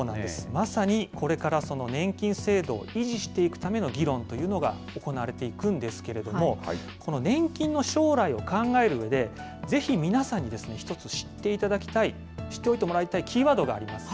まさにこれからその年金制度を維持していくための議論というのが行われていくんですけれども、この年金の将来を考えるうえで、ぜひ皆さんに１つ知っていただきたい、知っておいてもらいたいキーワードがあります。